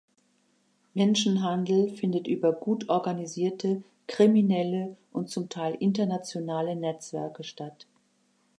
Menschenhandel findet über gut organisierte, kriminelle und zum Teil internationale Netzwerke statt.